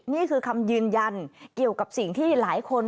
นี่คือคำยืนยันเกี่ยวกับสิ่งที่หลายคน